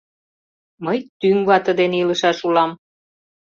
Мый тӱҥ вате дене илышаш улам...